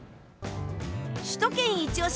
首都圏いちオシ！